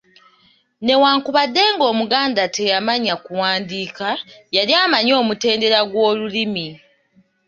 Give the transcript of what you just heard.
Newankubadde ng’Omuganda teyamanya kuwandiika yali amanyi omutendera gw’olulimi